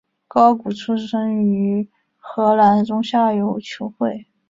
高古出身于荷兰中下游球会。